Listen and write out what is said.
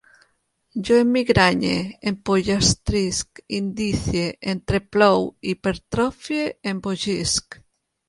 Jo emmigranye, empollastrisc, indicie, entreplou, hipertrofie, embogisc